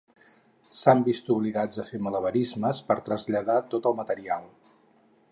s'han vist obligats a fer malabarismes per traslladar tot el material